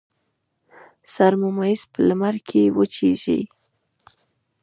سر ممیز په لمر کې وچیږي.